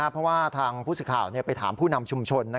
เพราะว่าทางพุศข่าวไปถามผู้นำชุมชน